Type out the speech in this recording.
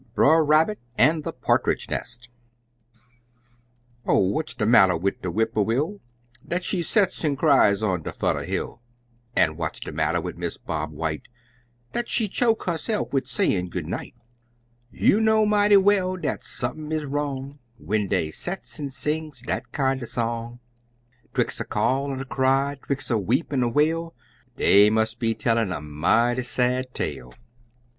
BRER RABBIT AND THE PARTRIDGE NEST Oh, what's de matter wid de Whipperwill, Dat she sets an' cries on de furder hill? An' what's de matter wid Miss Bob White, Dat she choke herse'f wid sayin' Good night? You know mighty well dat sump'n is wrong When dey sets an' sings dat kinder song, 'Twix' a call an' a cry, 'twix' a weep an' a wail Dey must be tellin' a mighty sad tale.